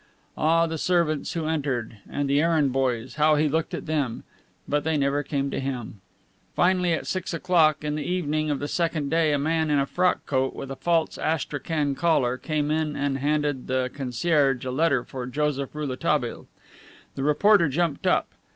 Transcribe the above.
Ah, the servants who entered, and the errand boys, how he looked at them! But they never came for him. Finally, at six o'clock in the evening of the second day, a man in a frock coat, with a false astrakhan collar, came in and handed the concierge a letter for Joseph Rouletabille. The reporter jumped up.